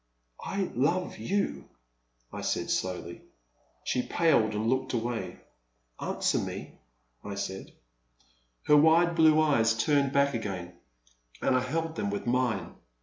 I love you,*' I said, slowly. She paled and looked away. Answer me," I said. Her wide blue eyes turned back again, and I held them with mine.